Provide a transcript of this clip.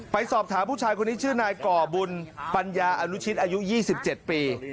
ไปสอบถามผู้ชายคนนี้ชื่อนายก่อบุญปัญญาอนุชิตอายุ๒๗ปี